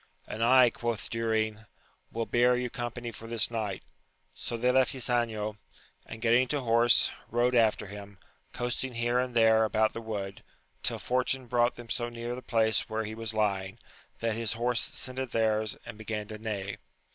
And I, quoth Durin, will bear you company for this night. So they left Ysanjo, and getting to horse, rode after him, coasting here and there about the wood, till fortune brought them so near the place where he was lying, that his horse scented theirs, and began to neigh.